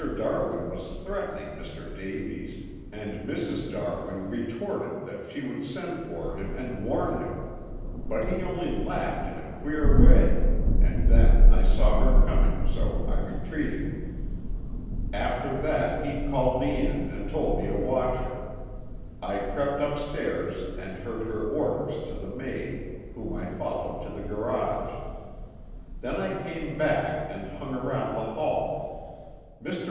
Darwin was threatening Mr. Davies, and Mrs. Darwin retorted that she would send for him and warn him, but he only laughed in a queer way and then I saw her coming, so I retreated. After that he called me in and told me to watch her. I crept upstairs and heard her orders to the maid, whom I followed to the garage. Then I came back and hung around the hall. Mr.